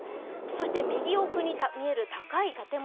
右奥に見える高い建物